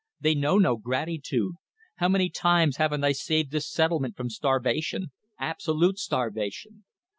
They know no gratitude. How many times haven't I saved this settlement from starvation? Absolute starvation.